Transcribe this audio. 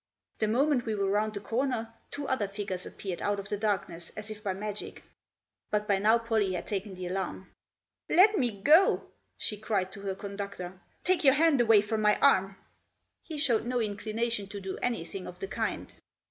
The moment we were round the corner two other figures appeared out of the darkness as if by magic. But by now Pollie had taken the alarm. " Let me go 1 " she cried to her conductor. " Take your hand away from my arm !" He showed no inclination to do anything of the kind.